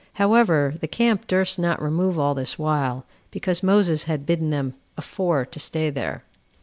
However, the camp durst not remove all this while, because Moses had bidden them afore to stay there.